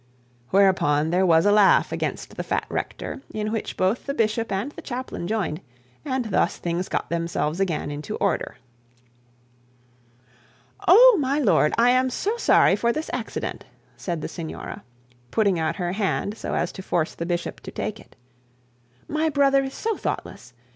Whereupon there was a laugh against the fat rector, in which both the bishop and the chaplain joined; and thus things got themselves again into order. 'Oh, my lord, I am so sorry for this accident,' said the signora, putting out her hand so as to force the bishop to take it. 'My brother is so thoughtless.